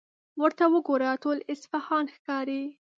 ورته وګوره، ټول اصفهان ښکاري.